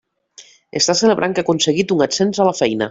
Està celebrant que ha aconseguit un ascens a la feina.